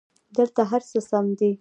دلته هرڅه سم دي